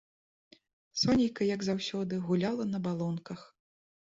Сонейка, як заўсёды, гуляла на балонках.